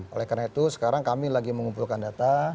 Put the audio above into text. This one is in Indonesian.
oleh karena itu sekarang kami lagi mengumpulkan data